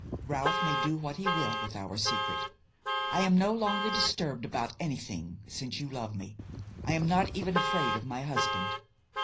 Ralph may do what he will with our secret. I am no longer disturbed about anything since you love me; I am not even afraid of my husband.